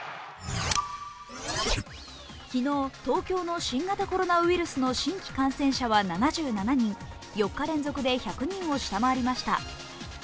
昨日、東京の新型コロナウイルスの新規感染者は７７人４日連続で１００人を下回りました。